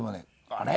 「あれ？」。